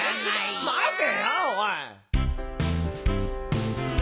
まてよおい！